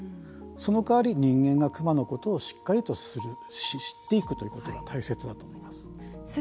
そのかわり人間がクマのことをしっかりと知っていくということが大切だと思います。